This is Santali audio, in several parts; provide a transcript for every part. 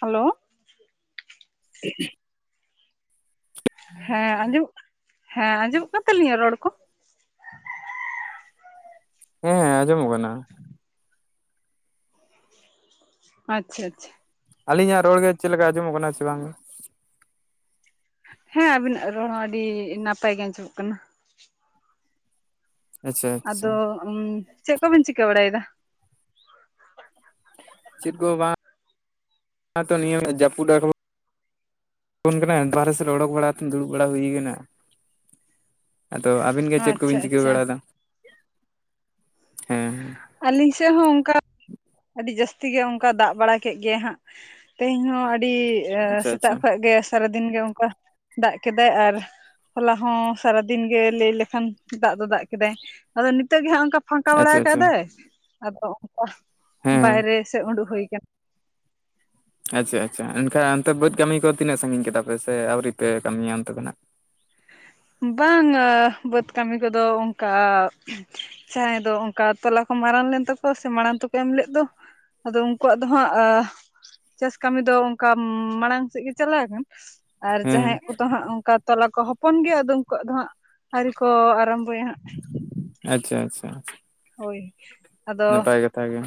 ᱦᱮᱞᱳ ᱦᱮᱸ [inaudible] ᱦᱮᱸ ᱟᱸᱡᱚᱢᱚᱜ ᱦᱮᱸ ᱟᱸᱡᱚᱢᱚᱜ ᱠᱟᱱ ᱛᱟᱞᱤᱧᱟ ᱨᱚᱲ ᱠᱚ᱾ ᱦᱮᱸ ᱟᱸᱡᱚᱢᱚᱜ ᱠᱟᱱᱟ᱾ ᱟᱪᱪᱷᱟᱼᱟᱪᱪᱷᱟ᱾ ᱟᱹᱞᱤᱧᱟᱜ ᱨᱚᱲ ᱜᱮ ᱪᱮᱫ ᱞᱮᱠᱟ ᱟᱸᱡᱚᱢᱚᱜ ᱠᱟᱱᱟ ᱥᱮ ᱵᱟᱝᱜᱮ᱾ ᱦᱮᱸ ᱟᱵᱤᱱᱟᱜ ᱨᱚᱲ ᱦᱚᱸ ᱟᱹᱰᱤ ᱱᱟᱯᱟᱭ ᱜᱮ ᱟᱸᱡᱚᱢᱚᱜ ᱠᱟᱱᱟ᱾ ᱟᱪᱪᱷᱟ ᱟᱪᱪᱷᱟ ᱟᱫᱚ ᱪᱮᱫ ᱠᱚ ᱵᱤᱱ ᱪᱤᱠᱟᱹ ᱵᱟᱲᱟᱭ ᱫᱟ᱾ ᱪᱮᱫ ᱠᱚ ᱵᱟᱝ ᱛᱚ ᱱᱤᱭᱟᱹ ᱡᱟᱹᱯᱩᱫ ᱟᱜᱩᱼᱼ ᱵᱚᱱ ᱠᱟᱱᱟᱭ ᱵᱟᱦᱨᱮ ᱥᱮᱫ ᱨᱮ ᱚᱰᱚᱠ ᱵᱟᱲᱟ ᱫᱩᱲᱩᱵ ᱵᱟᱲᱟ ᱦᱩᱭᱠᱟᱱᱟ᱾ ᱟᱫᱚ ᱟᱵᱤᱱ ᱜᱮ ᱪᱮᱫ ᱟᱪᱪᱷᱟ ᱠᱚᱵᱤᱱ ᱪᱤᱠᱟᱹ ᱟᱪᱪᱷᱟ ᱵᱟᱲᱟᱭᱫᱟ᱾ ᱟᱹᱞᱤᱧ ᱥᱮᱜ ᱦᱚᱸ ᱚᱱᱠᱟ ᱟᱹᱰᱤ ᱡᱟᱹᱥᱛᱤ ᱜᱮ ᱚᱱᱠᱟ ᱫᱟᱜ ᱵᱟᱲᱟ ᱠᱮᱜ ᱜᱮᱭᱟᱭ ᱦᱟᱸᱜ, ᱛᱮᱦᱮᱧ ᱦᱚᱸ ᱟᱹᱰᱤ ᱟᱪᱪᱷᱟ ᱥᱮᱛᱟᱜ ᱟᱪᱪᱷᱟ ᱠᱷᱚᱡ ᱜᱮ ᱥᱟᱨᱟᱫᱤᱱ ᱜᱮ ᱚᱱᱠᱟ ᱫᱟᱜ ᱠᱮᱫᱟᱭ, ᱟᱨ ᱦᱚᱞᱟ ᱦᱚᱸ ᱥᱟᱨᱟ ᱫᱤᱱ ᱜᱮ ᱞᱟᱹᱭ ᱞᱮᱠᱷᱟᱱ ᱫᱟᱜ ᱫᱚ ᱫᱟᱜ ᱠᱮᱫᱟᱭ, ᱟᱫᱚ ᱱᱤᱛᱚᱜ ᱜᱮ ᱦᱟᱸᱜ ᱚᱱᱠᱟ ᱯᱷᱟᱸᱼᱼ ᱠᱟ ᱵᱟᱲᱟ ᱟᱪᱪᱷᱟ ᱟᱪᱪᱷᱟ ᱟᱠᱟᱫᱮ ᱟᱫᱚ ᱚᱝᱠᱟ ᱦᱮᱸ ᱦᱮᱸ ᱵᱟᱭᱨᱮ ᱥᱮ ᱩᱰᱩᱜ ᱦᱩᱭ ᱟᱠᱟᱱᱟ᱾ ᱟᱪᱪᱷᱟᱼᱟᱪᱪᱷᱟ ᱮᱱᱠᱷᱟᱱ ᱚᱱᱛᱮ ᱵᱟᱹᱫᱽ ᱠᱟᱹᱢᱤ ᱠᱚ ᱛᱤᱱᱟᱹᱜ ᱥᱟᱺᱜᱤᱧ ᱠᱮᱫᱟ ᱯᱮ ᱥᱮ ᱟᱹᱣᱨᱤ ᱯᱮ ᱠᱟᱹᱢᱤᱭᱟ ᱚᱱᱛᱮ ᱫᱚ ᱱᱟᱜ᱾ ᱵᱟᱝᱼᱟ ᱵᱟᱹᱫᱽ ᱠᱟᱹᱢᱤ ᱠᱚᱫᱚ ᱚᱱᱠᱟ ᱡᱟᱦᱟᱸᱭ ᱫᱚ ᱚᱱᱠᱟ ᱛᱚᱞᱟ ᱠᱚ ᱢᱟᱨᱟᱝ ᱞᱮᱱ ᱛᱟᱠᱚᱣᱟ ᱥᱮ ᱢᱟᱲᱟᱝ ᱛᱮᱠᱚ ᱮᱢ ᱞᱮᱜ ᱫᱚ ᱟᱫᱚ ᱩᱱᱠᱩᱣᱟᱜ ᱫᱚ ᱦᱟᱸᱜ ᱪᱟᱥ ᱠᱟᱹᱢᱤ ᱫᱚ ᱚᱱᱠᱟ ᱢᱟᱲᱟᱝ ᱥᱮᱫ ᱜᱮ ᱪᱟᱞᱟ ᱟᱠᱟᱱ᱾ ᱟᱨ ᱦᱮᱸ ᱡᱟᱦᱟᱸᱭᱟᱜ ᱠᱚᱫᱚ ᱦᱟᱸᱜ ᱚᱱᱠᱟ ᱛᱚᱞᱟ ᱠᱚ ᱦᱚᱯᱚᱱ ᱜᱮᱭᱟ᱾ ᱛᱚ ᱩᱱᱠᱩᱣᱟᱜ ᱫᱚ ᱦᱟᱸᱜ ᱟᱹᱣᱨᱤ ᱠᱚ ᱟᱨᱟᱢᱵᱚᱭᱟ ᱦᱟᱸᱜ᱾ ᱟᱪᱪᱷᱟᱼᱟᱪᱪᱷᱟ ᱦᱳᱭ᱾ ᱟᱫᱚ ᱱᱟᱯᱟᱭ ᱠᱟᱛᱷᱟ ᱜᱮ᱾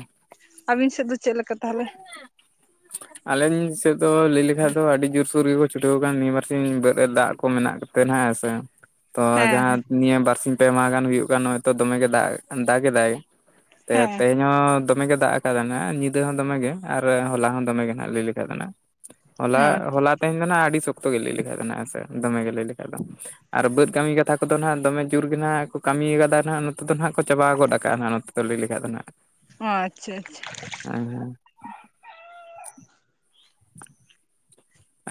ᱟᱹᱵᱤᱱ ᱥᱮᱜ ᱫᱚ ᱪᱮᱜ ᱞᱮᱠᱟ ᱛᱟᱦᱚᱞᱮ᱾ ᱟᱞᱤᱧ ᱥᱮᱫ ᱫᱚ ᱞᱟᱹᱭ ᱞᱮᱠᱷᱟᱡ ᱫᱚ ᱟᱹᱰᱤ ᱡᱳᱨᱥᱳᱨ ᱜᱮᱠᱚ ᱪᱷᱩᱴᱟᱹᱣ ᱟᱠᱟᱱ ᱱᱤᱭᱟᱹ ᱵᱟᱨ ᱥᱤᱧ ᱵᱟᱹᱫᱽ ᱨᱮ ᱫᱟᱜ ᱠᱚ ᱢᱮᱱᱟᱜ ᱟᱠᱟᱼᱼ ᱛᱮ ᱱᱟᱦᱟᱜ ᱦᱮᱸ ᱥᱮ᱾ ᱛᱚ ᱦᱮᱸ ᱡᱟᱦᱟᱸ ᱱᱤᱭᱟᱹ ᱵᱟᱨᱥᱤᱧ ᱯᱮ ᱢᱟᱦᱟ ᱜᱟᱱ ᱦᱩᱭᱩᱜ ᱠᱟᱱᱟ ᱛᱚ ᱫᱚᱢᱮᱜᱮ ᱫᱟᱜ ᱫᱟᱼᱜᱮ ᱫᱟᱭ᱾ ᱛᱮ, ᱦᱮᱸ ᱛᱮᱦᱮᱧ ᱦᱚᱸ ᱫᱚᱢᱮ ᱜᱮ ᱫᱟᱜ ᱟᱠᱟᱫᱟᱭ ᱱᱮᱜ ᱧᱤᱼᱼ ᱫᱟᱹ ᱦᱚᱸ ᱫᱚᱢᱮ ᱜᱮ ᱟᱨ ᱦᱚᱞᱟ ᱦᱚᱸ ᱫᱚᱢᱮ ᱜᱮ ᱱᱟᱜ ᱞᱟᱹᱭ ᱞᱮᱠᱷᱟᱡ ᱫᱚ ᱱᱦᱟᱜ, ᱦᱚᱞᱟ ᱦᱮᱸ ᱟᱪᱪᱷᱟ ᱦᱚᱞᱟ ᱛᱮᱦᱮᱧ ᱫᱚ ᱱᱟᱜ ᱟᱹᱰᱤ ᱥᱚᱠᱛᱚ ᱜᱮ ᱞᱟᱹᱭ ᱞᱮᱠᱟᱡ ᱢᱮᱱᱟᱜᱟ ᱥᱮ ᱫᱚᱢᱮ ᱜᱮ ᱞᱟᱹᱭ ᱞᱮᱠᱷᱟᱡ ᱫᱚ᱾ ᱟᱨ ᱵᱟᱹᱫᱽ ᱠᱟᱹᱢᱤ ᱠᱟᱛᱷᱟ ᱠᱚᱫᱚ ᱦᱟᱸᱜ ᱫᱚᱢᱮ ᱡᱳᱨ ᱜᱮ ᱱᱦᱟᱸᱜ ᱠᱚ ᱠᱟᱹᱢᱤ ᱟᱠᱟᱫᱟ ᱱᱦᱟᱸᱜ ᱱᱚᱛᱮ ᱫᱚ ᱱᱦᱟᱸᱜ ᱠᱚ ᱪᱟᱵᱟ ᱜᱚᱫ ᱟᱠᱟᱜᱼᱟ ᱦᱟᱜ ᱱᱚᱛᱮ᱾ ᱛᱚ ᱞᱟᱹᱭ ᱞᱮᱠᱦᱟᱡ ᱫᱚ ᱱᱦᱟᱜ᱾ ᱦᱚᱸ ᱟᱪᱪᱷᱟᱼᱟᱪᱪᱷᱟ᱾ [unintelligible] [inaudible]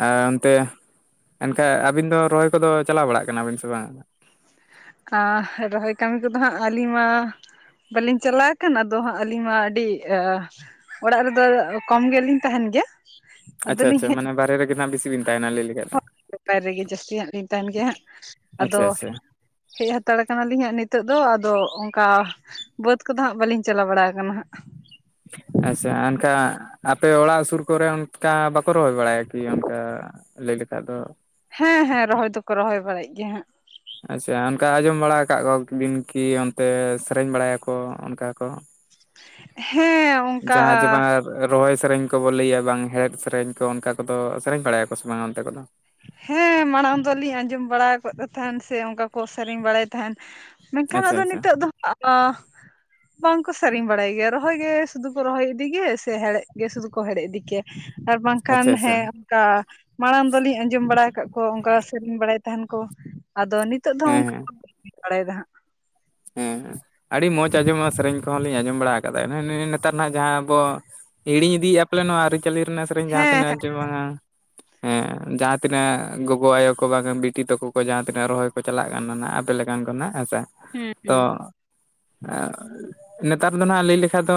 ᱟᱨ ᱚᱱᱛᱮ ᱮᱱᱠᱷᱟᱡ ᱟᱹᱵᱤᱱ ᱫᱚ ᱨᱚᱦᱚᱭ ᱠᱚᱫᱚ ᱪᱟᱞᱟᱣ ᱵᱟᱲᱟᱜ ᱠᱟᱱᱟᱵᱤᱱ ᱥᱮ ᱵᱟᱝᱟ᱾ ᱟᱨ ᱨᱚᱦᱚᱭ ᱠᱟᱹᱢᱤ ᱠᱚᱫᱚ ᱦᱟᱸᱜ ᱟᱹᱞᱤᱧ ᱢᱟ ᱵᱟᱞᱤᱧ ᱪᱟᱞᱟᱣ ᱟᱠᱟᱱ ᱚᱫᱚ ᱦᱟᱸᱜ ᱟᱹᱞᱤᱧ ᱢᱟ ᱟᱹᱰᱤ ᱚᱲᱟᱜ ᱨᱮᱫᱚ ᱠᱚᱢᱜᱞᱤᱧ ᱛᱟᱦᱮᱱ ᱜᱮᱭᱟ- ᱟᱪᱷᱟ ᱟᱫᱚᱞᱤᱧ ᱟᱪᱷᱟ ᱦᱮᱡ ᱢᱟᱱᱮ ᱵᱟᱦᱨᱮ ᱨᱮᱜᱮᱱᱟᱜ ᱵᱤᱥᱤ ᱵᱤᱱ ᱛᱟᱦᱮᱱᱟ ᱞᱟᱹᱭ ᱞᱮᱠᱷᱟᱱ ᱫᱚ- ᱵᱮᱯᱟᱭ ᱨᱮᱜᱮ ᱡᱟᱹᱥᱛᱤ ᱦᱟᱸᱜ ᱞᱤᱧ ᱛᱟᱦᱮᱱ ᱜᱮ ᱦᱟᱸᱜ ᱟᱫᱚ ᱟᱪᱪᱷᱟ ᱟᱪᱪᱷᱟ ᱦᱮᱡ ᱦᱟᱛᱟᱲ ᱠᱟᱱᱟᱞᱤᱧ ᱦᱟᱜ ᱱᱤᱛᱚᱜ ᱫᱚ ᱟᱫᱚ ᱚᱱᱠᱟ ᱵᱟᱹᱫᱽ ᱠᱚᱫᱚ ᱦᱟᱸᱜ ᱵᱟᱹᱞᱤᱧ ᱪᱟᱞᱟᱣ ᱵᱟᱲᱟ ᱟᱠᱟᱱᱟ ᱦᱟᱸᱜ᱾ ᱟᱪᱷᱟ ᱮᱱᱠᱟ ᱟᱯᱮ ᱚᱲᱟᱜ ᱥᱩᱨ ᱠᱚᱨᱮ ᱚᱱᱠᱟ ᱵᱟᱠᱚ ᱠᱚ ᱨᱚᱦᱚᱭ ᱵᱟᱲᱟᱭᱟ ᱠᱤ ᱚᱱᱠᱟ ᱞᱟᱹᱭ ᱞᱮᱠᱷᱟᱡ ᱫᱚ ᱦᱮᱸ ᱦᱮᱸ ᱨᱚᱦᱚᱭ ᱫᱚᱠᱚ ᱨᱚᱦᱚᱭ ᱵᱟᱲᱟᱭᱮᱫ ᱜᱮᱭᱟ ᱦᱟᱸᱜ᱾ ᱟᱪᱷᱟ ᱚᱱᱠᱟ ᱟᱸᱡᱚᱢ ᱵᱟᱲᱟ ᱟᱠᱟᱫ ᱠᱚ ᱵᱤᱱ ᱠᱤ ᱚᱱᱛᱮ ᱥᱮᱨᱮᱧ ᱵᱟᱲᱟᱭᱟᱠᱚ ᱚᱱᱠᱟ ᱠᱚ᱾ ᱦᱮᱸ ᱚᱱᱠᱟ ᱡᱟᱦᱟᱸ ᱡᱮ ᱵᱟᱝ ᱨᱚᱦᱚᱭ ᱥᱮᱨᱮᱧ ᱠᱚ ᱵᱚᱞᱮ ᱞᱟᱹᱭᱟ ᱵᱟᱝ ᱦᱮᱲᱦᱮᱫ ᱥᱮᱨᱮᱧ ᱠᱚ ᱚᱱᱠᱟ ᱠᱚᱫᱚ ᱥᱮᱨᱮᱧ ᱵᱟᱲᱟᱭᱟᱠᱚ ᱥᱮ ᱵᱟᱝᱟ ᱚᱱᱛᱮ ᱠᱚᱫᱚ? ᱦᱮᱸ ᱢᱟᱲᱟᱝ ᱫᱚᱞᱤᱧ ᱟᱸᱡᱚᱢ ᱵᱟᱲᱟ ᱟᱠᱟᱜ ᱛᱟᱦᱮᱱ ᱥᱮ ᱚᱱᱠᱟ ᱠᱚ ᱥᱮᱨᱮᱧ ᱵᱟᱲᱟᱭᱮᱫ ᱛᱟᱦᱮᱱ᱾ ᱢᱮᱱᱠᱷᱟᱱ ᱟᱪᱪᱷᱟ ᱟᱫᱚ ᱟᱪᱪᱷᱟ ᱱᱤᱛᱚᱜ ᱫᱚ ᱵᱟᱝᱠᱚ ᱥᱮᱨᱮᱤᱧ ᱵᱟᱲᱟᱭ ᱜᱮᱭᱟ ᱨᱚᱦᱚᱭ ᱜᱮ ᱥᱩᱫᱩ ᱨᱚᱦᱚᱭ ᱤᱫᱤᱜ ᱜᱮ ᱥᱮ ᱦᱮᱲᱦᱮᱫ ᱜᱮ ᱥᱩᱫᱩ ᱠᱚ ᱦᱮᱲᱮᱡ ᱤᱫᱤᱜ ᱜᱮᱭᱟ᱾ ᱟᱨ ᱵᱟᱝᱠᱷᱟᱱ ᱟᱪᱪᱷᱟ ᱟᱪᱪᱷᱟ ᱦᱮᱸ ᱚᱱᱠᱟ ᱢᱟᱲᱟᱝ ᱫᱚᱞᱤᱧ ᱟᱸᱡᱚᱢ ᱡᱚᱢ ᱵᱟᱲᱟ ᱟᱠᱟᱫ ᱠᱚᱣᱟ ᱚᱱᱠᱟ ᱥᱮᱨᱮᱧ ᱵᱟᱲᱟᱭ ᱛᱟᱦᱮᱱ ᱠᱚ ᱟᱫᱚ ᱱᱤᱛᱚᱜ ᱫᱚ ᱦᱮᱸ ᱚᱱᱠᱟ ᱦᱮᱸ [inaudible] ᱵᱟᱲᱟᱭᱟ ᱦᱟᱸᱜ᱾ ᱦᱮᱸ ᱟᱹᱰᱤ ᱢᱚᱡᱽ ᱟᱸᱡᱚᱢᱼᱟ ᱥᱮᱨᱮᱧ ᱠᱚᱦᱚᱸ ᱞᱤᱧ ᱟᱸᱡᱚᱢ ᱵᱟᱲᱟ ᱠᱟᱫᱟ ᱱᱮᱛᱟᱨ ᱦᱟᱜ ᱡᱟᱦᱟᱸ ᱟᱵᱚ ᱦᱤᱲᱤᱧ ᱤᱫᱤᱭᱮᱫᱼᱟ ᱯᱟᱞᱮ ᱱᱚᱣᱟ ᱟᱹᱨᱤᱪᱟᱹᱞᱤ ᱨᱮᱱᱟᱜ ᱥᱮᱨᱮᱧ ᱦᱟᱸᱜ ᱡᱟᱦᱟᱸ ᱛᱤᱱᱟᱹᱜ ᱦᱮᱸ ᱡᱮ ᱵᱟᱝᱟ [unintelligible] ᱡᱟᱦᱟᱸ ᱛᱤᱱᱟᱹᱜ ᱜᱚᱜᱚ ᱟᱭᱳ ᱠᱚ ᱵᱟᱝᱠᱷᱟᱱ ᱵᱤᱴᱤ ᱛᱟᱠᱚ ᱠᱚ ᱡᱟᱦᱟᱸ ᱛᱤᱱᱟᱹᱜ ᱨᱚᱦᱚᱭ ᱠᱚ ᱪᱟᱞᱟᱜ ᱠᱟᱱᱟ ᱱᱟᱜ ᱛᱟᱦᱚᱞᱮ ᱠᱷᱟᱱ ᱫᱚ ᱦᱟᱜ ᱦᱮᱸ ᱥᱮ- ᱦᱮᱸ ᱛᱚ ᱦᱩᱸ ᱱᱮᱛᱟᱨ ᱫᱚ ᱱᱟᱦᱜ ᱞᱟᱹᱭ ᱞᱮᱠᱷᱟ ᱫᱚ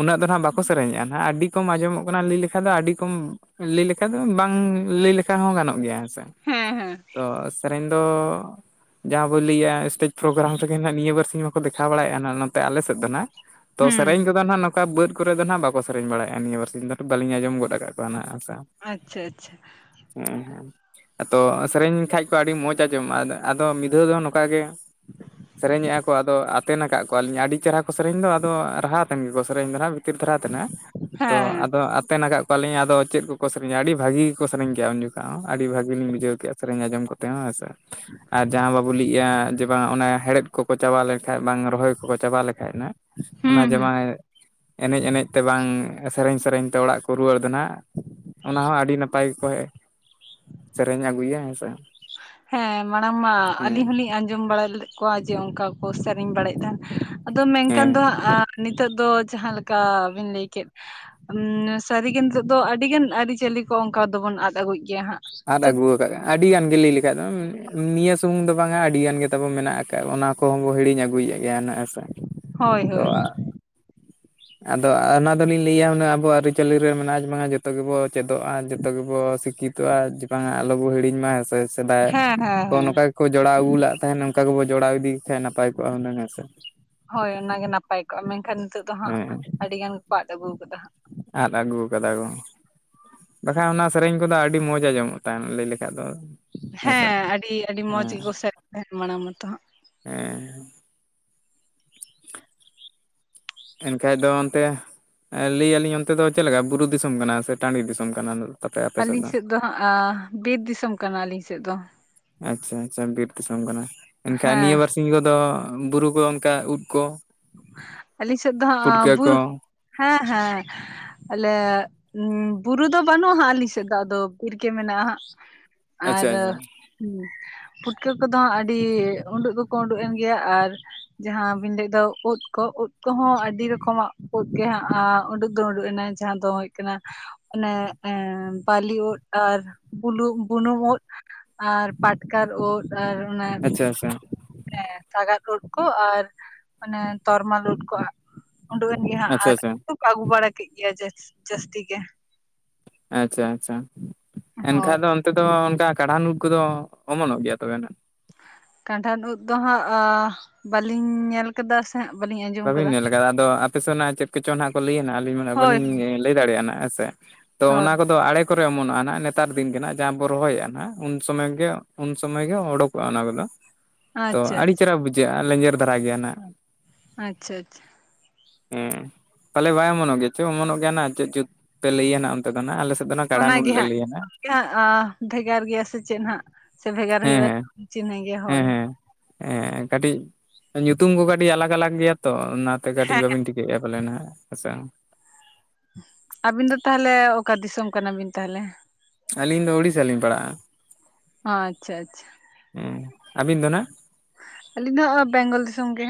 ᱩᱱᱟᱹᱜ ᱫᱚ ᱟᱸᱜ ᱵᱟᱠᱚ ᱥᱮᱨᱮᱧᱮᱜᱼᱟᱜ ᱟᱹᱰᱤ ᱠᱚᱢ ᱟᱸᱡᱚᱢᱚᱜ ᱠᱟᱱᱟ ᱞᱟᱹᱭ ᱞᱮᱠᱷᱷᱟ ᱫᱚ ᱟᱹᱰᱤ ᱥᱮᱨᱚᱠᱚᱢ ᱞᱟᱹᱭ ᱞᱮᱠᱷᱟ ᱫᱚ ᱵᱟᱝ ᱞᱟᱹᱭ ᱞᱮᱠᱷᱟ ᱦᱚᱸ ᱜᱟᱱᱚᱜ ᱜᱮᱭᱟ ᱦᱮᱸ ᱥᱮ- ᱦᱮᱸ ᱦᱮᱸ ᱛᱚ ᱥᱮᱨᱮᱧ ᱫᱚ ᱡᱟᱦᱟᱸ ᱵᱚᱱ ᱞᱟᱹᱭᱟ ᱥᱴᱮᱡᱽ ᱯᱨᱳᱜᱨᱟᱢ ᱨᱮᱜᱮ ᱱᱟᱜ ᱱᱤᱭᱟᱹ ᱵᱟᱨᱥᱤᱧ ᱢᱟᱠᱚ ᱫᱮᱠᱷᱟᱣ ᱵᱟᱲᱟᱭᱮᱫᱼᱟ ᱱᱚᱛᱮ ᱟᱞᱮ ᱥᱮᱫ ᱫᱚ ᱱᱟᱜ᱾ ᱛᱚ ᱥᱮᱨᱮᱧ ᱦᱩᱸ ᱠᱚᱫᱚ ᱱᱟᱜ ᱚᱱᱠᱟ ᱵᱟᱹᱫᱽ ᱠᱚᱨᱮ ᱫᱚ ᱱᱟᱦᱟᱜ ᱵᱟᱠᱚ ᱥᱮᱨᱮᱧ ᱵᱟᱲᱟᱭᱼᱟ ᱱᱤᱭᱟᱹ ᱵᱟᱨ ᱥᱤᱧ ᱫᱚ ᱱᱟᱜ ᱵᱟᱞᱤᱧ ᱟᱸᱡᱚᱢ ᱜᱚᱫ ᱟᱠᱟᱫ ᱠᱚᱣᱟ ᱱᱟᱦᱟᱜ ᱦᱮᱸᱥᱮ- ᱟᱪᱪᱷᱟ ᱟᱪᱪᱷᱟ᱾ ᱦᱮᱸ ᱦᱮᱸ ᱟᱫᱚ ᱥᱮᱨᱮᱧ ᱠᱷᱟᱡ ᱠᱚ ᱟᱹᱰᱤ ᱢᱚᱡᱽ ᱟᱸᱡᱚᱢᱚᱜᱼᱟ, ᱟᱫᱚ ᱢᱤᱫ ᱫᱷᱟᱹᱣ ᱫᱚ ᱱᱚᱝᱠᱟ ᱜᱮ ᱥᱮᱨᱮᱧᱮᱜᱼᱟ ᱠᱚ ᱟᱫᱚ ᱟᱛᱮᱱ ᱟᱠᱟᱫ ᱠᱚᱣᱟᱞᱤᱧ ᱟᱹᱰᱤ ᱪᱮᱦᱨᱟ ᱠᱚ ᱥᱮᱨᱮᱧ ᱫᱚ ᱟᱫᱚ ᱨᱟᱦᱟᱛᱮᱱ ᱜᱮᱠᱚ ᱥᱮᱨᱮᱧ ᱫᱚ ᱱᱟᱸᱦᱟᱜ᱾ ᱠᱷᱟᱹᱛᱤᱨ ᱫᱷᱟᱨᱟ ᱛᱮ ᱦᱟᱜ ᱦᱮᱸ ᱟᱫᱚ ᱟᱛᱮᱱᱟᱜᱟᱜ ᱠᱚᱣᱟᱞᱤᱧ ᱟᱫᱚ ᱪᱮᱫ ᱠᱚᱠᱚ ᱥᱮᱨᱮᱧᱟ ᱟᱹᱰᱤ ᱵᱷᱟᱹᱜᱤ ᱜᱮᱠᱚ ᱥᱮᱨᱮᱧ ᱠᱮᱜᱼᱟ ᱩᱱ ᱡᱚᱠᱷᱚᱱ ᱦᱚᱸ ᱟᱹᱰᱤ ᱵᱷᱞᱤᱞᱤᱧ ᱵᱩᱡᱟᱹᱣ ᱠᱮᱫᱼᱟ ᱥᱮᱨᱮᱧ ᱟᱸᱚᱢ ᱠᱟᱛᱮ᱾ ᱦᱮᱸᱥ ᱟᱨ ᱡᱟᱦᱟᱸ ᱵᱟᱵᱚ ᱞᱟᱹᱭᱼᱟ ᱡᱮ ᱵᱟᱝ ᱚᱱᱟ ᱦᱮᱲᱦᱮᱫ ᱠᱚᱠᱚ ᱪᱟᱵᱟ ᱞᱮᱠᱷᱟᱡ ᱵᱟᱝ ᱨᱚᱦᱚᱭ ᱠᱚᱠᱚ ᱪᱟᱵᱟ ᱞᱮᱠᱷᱟᱡ ᱱᱟ, ᱦᱩᱸ ᱚᱱᱟ ᱦᱩᱸ ᱡᱮᱢᱟᱭ ᱮᱱᱮᱡ ᱮᱱᱮᱡ ᱛᱮ ᱵᱟᱝ ᱥᱮᱨᱮᱧ ᱥᱮᱨᱮᱧ ᱛᱮ ᱚᱲᱟᱜ ᱨᱩᱣᱟᱹᱲ ᱫᱚ ᱱᱟᱦᱟᱜ ᱚᱱᱟ ᱦᱚᱸ ᱟᱹᱰᱤ ᱱᱟᱯᱟᱭ ᱜᱮᱠᱚ ᱥᱮᱨᱮᱧ ᱟᱹᱜᱩᱭᱟ ᱦᱮᱸᱥᱮ᱾ ᱦᱮᱸ ᱢᱟᱲᱟᱝ ᱢᱟ ᱟᱹᱞᱤᱧ ᱦᱚᱞᱤᱧ ᱟᱸᱡᱚᱢ ᱵᱟᱲᱟ ᱞᱮᱫ ᱠᱚᱣᱟ ᱡᱮ ᱚᱱᱠᱟ ᱠᱚ ᱥᱮᱨᱮᱧ ᱵᱟᱲᱟᱭᱮᱫ ᱛᱟᱦᱮᱱ᱾ ᱟᱫᱚ ᱢᱮᱱᱠᱷᱟᱱ ᱦᱮᱸ ᱫᱚ ᱦᱟᱸᱜ ᱱᱤᱛᱚᱜ ᱫᱚ ᱡᱟᱦᱟᱸᱞᱮᱠᱟ ᱵᱤᱱ ᱞᱟᱹᱭ ᱠᱮᱫ ᱩ ᱥᱟᱹᱨᱤᱜᱮ ᱱᱤᱛᱳᱜ ᱫᱚ ᱟᱹᱰᱤᱜᱟᱱ ᱟᱹᱨᱤᱪᱟᱹᱞᱤ ᱠᱚ ᱚᱱᱠᱟ ᱫᱚᱵᱚᱱ ᱟᱫ ᱟᱹᱜᱩᱭ ᱜᱮᱭᱟ ᱦᱟᱸᱜ᱾ ᱟᱫ ᱟᱹᱜᱩ ᱟᱠᱟᱫ ᱟᱹᱰᱤ ᱜᱟᱱ ᱜᱮ ᱞᱟᱹᱭ ᱞᱮᱠᱷᱟᱡ ᱫᱚ ᱱᱤᱭᱟᱹ ᱥᱩᱢᱩᱝ ᱫᱚ ᱵᱟᱝᱟ ᱟᱹᱰᱤ ᱜᱟᱱ ᱜᱮ ᱛᱟᱵᱚ ᱢᱮᱱᱟᱜ ᱟᱠᱟᱫ ᱚᱱᱟ ᱠᱚ ᱦᱚᱸᱵᱚ ᱦᱤᱲᱤᱧ ᱟᱹᱜᱩᱭᱮᱫ ᱜᱮᱭᱟ ᱱᱟᱜ ᱥᱮ ᱦᱳᱭ ᱦᱳᱭ ᱛᱚ ᱦᱳᱭ ᱾ ᱟᱫᱚ ᱚᱱᱟ ᱫᱚᱞᱤᱧ ᱞᱟᱹᱭᱟ ᱟᱵᱚ ᱟᱹᱨᱤᱪᱟᱹᱞᱤ ᱨᱮ ᱢᱮᱱᱟᱜᱼᱟ ᱢᱟᱱᱮ ᱡᱚᱛᱚ ᱜᱮᱵᱚ ᱪᱮᱫᱚᱜᱼᱟ᱾ ᱡᱚᱛᱚ ᱜᱮᱵᱚ ᱥᱤᱠᱷᱤᱛᱚᱜᱼᱟ ᱡᱮ ᱵᱟᱝᱟ ᱟᱞᱚᱵᱚ ᱦᱤᱲᱤᱧ ᱢᱟ ᱦᱮᱸᱥᱮ ᱾ ᱥᱮᱫᱟᱭ ᱦᱮᱸ ᱦᱮᱸ ᱠᱚ ᱦᱮᱸ ᱱᱚᱝᱠᱟ ᱜᱮᱠᱚ ᱡᱚᱲᱟᱣ ᱟᱹᱜᱩ ᱞᱮᱫᱟᱜ ᱛᱟᱦᱮᱸᱫ ᱱᱚᱝᱠᱟ ᱜᱮᱵᱚ ᱡᱚᱲᱟᱣ ᱤᱫᱤ ᱠᱷᱟᱱ ᱱᱟᱯᱟᱭ ᱠᱚᱜᱼᱟ ᱦᱩᱱᱟᱹᱝ ᱦᱮᱸᱥᱮ ᱾ ᱦᱳᱭ ᱚᱱᱟ ᱜᱮ ᱱᱟᱯᱟᱭ ᱠᱚᱜᱼᱟ ᱢᱮᱱᱠᱷᱟᱱ ᱱᱤᱛᱚᱜ ᱫᱚ ᱦᱟᱸᱜ ᱦᱮᱸ ᱟᱹᱰᱤ ᱜᱟᱱ ᱜᱮᱠᱚ ᱟᱫ ᱟᱹᱜᱩ ᱟᱠᱟᱫᱟ ᱦᱟᱸᱜ ᱾ ᱟᱫ ᱟᱹᱜᱩ ᱠᱟᱫᱟ ᱠᱚ ᱾ ᱵᱟᱠᱷᱟᱱ ᱚᱱᱟ ᱥᱮᱨᱮᱧ ᱠᱚᱫᱚ ᱟᱹᱰᱤ ᱢᱚᱡᱽ ᱟᱸᱡᱚᱢᱚᱜ ᱛᱟᱦᱮᱸ ᱞᱟᱹᱭ ᱞᱮᱠᱷᱟᱡ ᱫᱚ ᱾ ᱦᱮᱸ ᱟᱹᱰᱤ ᱟᱹᱰᱤ ᱢᱚᱸᱡᱽ ᱜᱮᱠᱚ ᱥᱮᱨᱮᱧᱮᱫ ᱛᱟᱦᱮᱸ ᱢᱟᱲᱟᱝ ᱢᱟᱛᱚ ᱦᱟᱸᱜ ᱾ [inaudible] ᱮᱱᱠᱷᱟᱡ ᱫᱚ ᱚᱱᱛᱮ ᱞᱟᱹᱭ ᱟᱹᱞᱤᱧ ᱚᱱᱛᱮ ᱫᱚ ᱪᱮᱫ ᱞᱮᱠᱟ ᱵᱩᱨᱩ ᱫᱤᱥᱚᱢ ᱠᱟᱱᱟ ᱥᱮ ᱴᱟᱹᱰᱤ ᱫᱤᱥᱚᱢ ᱠᱟᱱᱟ? ᱟᱹᱞᱤᱧ ᱥᱮᱫ ᱫᱚ ᱦᱟᱸᱜ ᱵᱤᱨ ᱫᱤᱥᱚᱢ ᱠᱟᱱᱟ ᱟᱹᱞᱤᱧ ᱥᱮᱫ ᱫᱚ ᱾ ᱟᱪᱪᱷᱟ ᱟᱪᱪᱷᱟ ᱵᱤᱨ ᱫᱤᱥᱚᱢ ᱠᱟᱱᱟ᱾ ᱮᱱᱠᱷᱟᱱ ᱦᱮᱸ ᱱᱤᱭᱟᱹ ᱵᱟᱨ [unintelligible] ᱠᱚᱫᱚ ᱵᱩᱨᱩ ᱠᱚ ᱚᱱᱠᱟ ᱩᱫ ᱠᱚ ᱟᱹᱞᱤᱧ ᱥᱮᱫ ᱫᱚ ᱦᱟᱸᱜ ᱯᱩᱴᱠᱟᱹ ᱵᱩᱨᱩ ᱠᱚ ᱦᱮᱸ ᱦᱮᱸ ᱟᱞᱮ ᱵᱩᱨᱩ ᱫᱚ ᱵᱟᱹᱱᱩᱜᱼᱟ ᱦᱟᱸᱜᱹᱞᱤᱧ ᱥᱮᱫ ᱫᱚ ᱟᱫᱚ ᱵᱤᱨ ᱜᱮ ᱢᱮᱱᱟᱜᱼᱟ ᱦᱟᱸᱜ ᱾ ᱟᱨ ᱟᱪᱪᱷᱟ ᱟᱪᱪᱷᱟ ᱯᱩᱴᱠᱟᱹ ᱠᱚᱫᱚ ᱟᱹᱰᱤ ᱩᱰᱩᱠ ᱫᱚᱠᱚ ᱩᱰᱩᱠ ᱮᱱ ᱜᱮᱭᱟ ᱟᱨ ᱡᱟᱦᱟᱸ ᱵᱤᱱ ᱞᱟᱹᱭᱮᱫᱚ ᱩᱫ ᱠᱚ ᱩᱫ ᱠᱚᱦᱚᱸ ᱟᱹᱰᱤ ᱨᱚᱠᱚᱢᱟᱜ ᱩᱫ ᱜᱮ ᱦᱟᱸᱜ ᱩᱰᱩᱠ ᱫᱚ ᱩᱰᱩᱠ ᱮᱱᱟ ᱡᱟᱦᱟᱸ ᱫᱚ ᱦᱩᱭᱩᱜ ᱠᱟᱱᱟ ᱟᱱᱮ ᱮᱸ ᱵᱟᱞᱤ ᱩᱫ ᱟᱨ ᱵᱩᱱᱩᱢ ᱩᱫ ᱟᱨ ᱯᱟᱴᱠᱟᱨ ᱩᱫ ᱟᱨ ᱚᱱᱟ ᱟᱪᱪᱷᱟ ᱟᱪᱪᱷᱟ ᱥᱟᱜᱟᱫ ᱩᱫ ᱠᱚ ᱟᱨ ᱢᱟᱱᱮ ᱛᱚᱨᱢᱟᱞ ᱩᱫᱠᱚ ᱩᱰᱩᱠ ᱮᱱ ᱜᱮ ᱦᱟᱸᱜ ᱟᱨ ᱟᱪᱪᱷᱟ ᱟᱪᱪᱷᱟ ᱟᱹᱜᱩ ᱵᱟᱲᱟ ᱠᱮᱫ ᱜᱮᱭᱟ ᱡᱟᱥ ᱡᱟᱹᱥᱛᱤ ᱜᱮ᱾ ᱟᱪᱪᱷᱟ ᱟᱪᱪᱷᱟ ᱦᱳᱭ ᱮᱱᱠᱷᱟᱡ ᱫᱚ ᱚᱱᱛᱮ ᱫᱚ ᱚᱱᱠᱟ ᱠᱟᱬᱦᱱ ᱩᱫ ᱠᱚᱫᱚ ᱚᱢᱚᱱᱚᱜ ᱜᱮᱭᱟ ᱛᱚᱵᱮ ᱱᱟᱱᱟᱜ? ᱠᱟᱰᱟᱲ ᱩᱫ ᱫᱚ ᱦᱟᱸᱜ ᱵᱟᱹᱞᱤᱧ ᱧᱮᱞ ᱠᱟᱫᱟ ᱵᱟᱞᱤᱧ [inaudible] ᱵᱟᱹᱵᱤᱱ ᱧᱮᱞ ᱟᱠᱟᱫᱟ ᱟᱫᱚ ᱟᱯᱮ ᱥᱮᱫ ᱱᱟᱜ ᱪᱮᱫ ᱠᱚᱪᱚᱝ ᱱᱟᱜ ᱠᱚ ᱞᱟᱹᱭᱟ ᱱᱟᱜ ᱟᱹᱞᱤᱧ ᱢᱟᱱᱮ ᱵᱟᱹᱞᱤ ᱦᱳᱭ ᱧᱮᱞ ᱞᱟᱹᱭ ᱫᱟᱲᱮᱭᱟᱜᱼᱟ ᱱᱟᱜ ᱦᱮᱸᱥᱮ ᱛᱚ ᱦᱳᱭ ᱚᱱᱟ ᱠᱚᱫᱚ ᱟᱲᱮ ᱠᱚᱨᱮ ᱚᱢᱚᱱᱚᱜᱼᱟ ᱱᱟᱦᱟᱸᱜ ᱱᱮᱛᱟᱨ ᱫᱤᱱ ᱜᱮ ᱦᱟᱸᱜ ᱡᱟᱦᱟᱸ ᱵᱚ ᱨᱚᱦᱚᱭᱟ ᱱᱟᱦᱟᱸᱜ ᱩᱱ ᱥᱚᱢᱚᱭ ᱜᱮ ᱩᱱ ᱥᱚᱢᱚᱭ ᱜᱮ ᱚᱰᱳᱠᱚᱜᱼᱟ ᱚᱱᱟ ᱠᱚᱫᱚ᱾ [unintelligible] ᱛᱚ ᱟᱹᱰᱤ ᱟᱪᱪᱷᱟ ᱪᱮᱦᱨᱟ ᱵᱩᱡᱷᱟᱹᱜᱼᱟ ᱞᱮᱸᱡᱮᱨ ᱫᱷᱟᱨᱟ ᱜᱮᱭᱟ ᱱᱟᱜ᱾ ᱟᱪᱪᱷᱟ ᱟᱪᱪᱷᱟ᱾ ᱦᱮᱸ ᱯᱟᱞᱮ ᱵᱟᱭ ᱚᱢᱚᱱᱚᱜ ᱜᱮᱪᱚ ᱚᱢᱚᱱᱚᱜ ᱜᱮᱭᱟᱱᱟᱜ ᱪᱮᱫ ᱡᱩᱛ ᱯᱮ ᱞᱟᱹᱭᱟ ᱱᱟᱜ? ᱚᱱᱛᱮ ᱫᱚ ᱱᱟᱸᱜ ᱟᱞᱮ ᱥᱮᱫ ᱫᱚ ᱠᱟᱲᱟ ᱚᱱᱟ ᱱᱩᱞ ᱜᱮ ᱞᱮ ᱦᱟᱸᱜ ᱞᱟᱹᱭᱟ ᱱᱟᱜ [unintelligible] ᱵᱷᱮᱜᱟᱨ ᱜᱮᱭᱟ ᱥᱮ ᱪᱮᱫ ᱦᱟᱸᱜ᱾ ᱥᱮ ᱵᱷᱮᱜᱟᱨ ᱦᱮᱸ ᱵᱷᱮᱜᱟᱨ ᱦᱮᱸ [inaudible] ᱜᱮ ᱦᱮᱸ ᱦᱚᱭ‌, ᱦᱮᱸ ᱦᱮᱸ ᱠᱟᱹᱴᱤᱡ ᱧᱩᱛᱩᱢ ᱠᱚ ᱠᱟᱹᱴᱤᱡ ᱟᱞᱟᱜ ᱟᱞᱟᱜ ᱜᱮᱭᱟ ᱛᱚ ᱚᱱᱟᱛᱮ ᱠᱟᱹᱴᱤᱡ ᱦᱮᱸ ᱵᱟᱹᱵᱤᱱ ᱴᱷᱤᱠᱟᱹᱭᱮᱫᱼᱟ ᱾ [inaudible] ᱟᱵᱤᱱ ᱫᱚ ᱛᱟᱦᱚᱞᱮ ᱚᱠᱟ ᱫᱤᱥᱚᱢ ᱠᱟᱱᱟ ᱵᱤᱱ ᱛᱟᱦᱚᱞᱮ? ᱟᱹᱞᱤᱧ ᱫᱚ ᱳᱲᱤᱥᱥᱟ ᱞᱤᱧ ᱯᱟᱲᱟᱜᱼᱟ ᱾ ᱟᱪᱪᱷᱟ ᱟᱪᱪᱷᱟ᱾ ᱦᱩᱸ ᱟᱹᱵᱤᱱ ᱫᱚ ᱱᱟᱸᱜ? ᱟᱹᱞᱤᱧ ᱫᱚ ᱦᱚᱸᱜ ᱚᱭ ᱵᱮᱝᱜᱚᱞ ᱫᱤᱥᱚᱢ ᱜᱮ᱾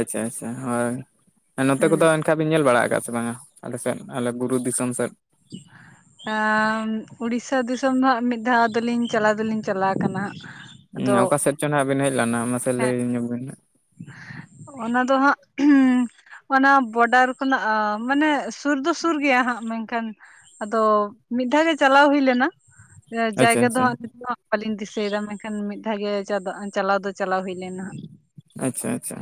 ᱟᱪᱪᱷᱟ ᱟᱪᱪᱷᱟ ᱦᱳᱭ ᱱᱚᱛᱮ ᱦᱩᱸ ᱠᱚᱫᱚ ᱮᱱᱠᱷᱟᱡ ᱵᱤᱱ ᱧᱮᱞ ᱵᱟᱲᱟ ᱟᱠᱟᱫᱼᱟ ᱥᱮ ᱵᱟᱝᱟ ᱟᱞᱮ ᱥᱮᱫ, ᱟᱞᱮ ᱵᱩᱨᱩ ᱫᱤᱥᱚᱢ ᱥᱮᱫ? [inaudible] ᱟᱸ ᱩᱲᱤᱥᱟ ᱫᱤᱥᱚᱢ ᱫᱚ ᱦᱟᱸᱜ ᱢᱤᱫ ᱫᱷᱟᱣ ᱫᱚᱞᱤᱧ ᱪᱟᱞᱟᱣ ᱫᱚᱞᱤᱧ ᱪᱟᱞᱟᱣ ᱠᱟᱱᱟ ᱦᱟᱸᱜ᱾ ᱩᱸ ᱟᱫᱚ ᱚᱠᱟ ᱥᱮᱫ ᱪᱚ ᱱᱟᱜ ᱵᱤᱱ ᱦᱮᱡ ᱞᱮᱱᱟ ᱢᱟᱥᱮ ᱦᱮᱸ ᱞᱟᱹᱭ ᱧᱚᱜ ᱵᱤᱱ ᱦᱟᱸᱜ? ᱚᱱᱟ ᱫᱚ ᱦᱟᱸᱜ ᱩᱸ ᱚᱱᱟ ᱵᱚᱰᱟᱨ ᱠᱷᱚᱱᱟᱜ ᱢᱟᱱᱮ ᱥᱩᱨ ᱫᱚ ᱥᱩᱨ ᱜᱮᱭᱟ ᱦᱟᱸᱜ ᱢᱮᱱᱠᱷᱟᱱ, ᱟᱫᱚ ᱢᱤᱫ ᱫᱷᱟᱣ ᱜᱮ ᱪᱟᱞᱟᱣ ᱦᱩᱭ ᱞᱮᱱᱟ ᱟᱪᱪᱷᱟ ᱡᱟᱭᱜᱟ ᱫᱚ ᱟᱪᱪᱷᱟ ᱦᱟᱸᱜ ᱱᱤᱛᱚᱜ, ᱵᱟᱞᱤᱧ ᱫᱤᱥᱟᱹᱭ ᱮᱫᱟ ᱢᱮᱱᱠᱷᱟᱱ ᱢᱤᱫ ᱫᱷᱟᱣ ᱜᱮ ᱪᱟᱵᱟᱜ-ᱟ, ᱪᱟᱞᱟᱣ ᱫᱚ ᱪᱟᱞᱟᱣ ᱦᱩᱭ ᱞᱮᱱᱟ᱾ ᱟᱪᱪᱷᱟ ᱟᱪᱪᱷᱟ